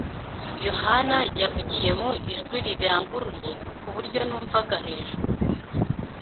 Yohana yavugiye mu ijwi riranguruye ku buryo numvaga hejuru.